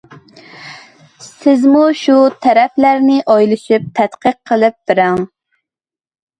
سىزمۇ شۇ تەرەپلەرنى ئويلىشىپ تەتقىق قىلىپ بېقىڭ.